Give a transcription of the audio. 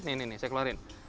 nih nih nih saya keluarin